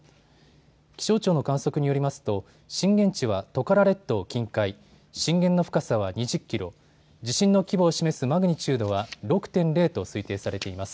気象庁の観測によりますと震源地はトカラ列島近海、震源の深さは２０キロ、地震の規模を示すマグニチュードは６．０と推定されています。